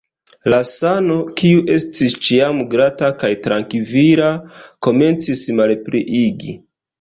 La sano, kiu estis ĉiam glata kaj trankvila, komencis malpliigi.